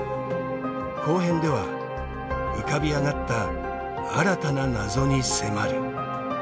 後編では浮かび上がった新たな謎に迫る。